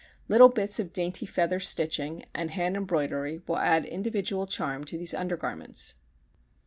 Little bits of dainty feather stitching and hand embroidery will add individual charm to these undergarments.